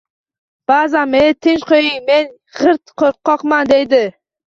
Ba’zan: “Meni tinch qo‘ying, men g‘irt qo‘rqoqman”, deydi.